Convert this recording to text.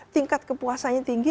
tingkat kepuasanya tinggi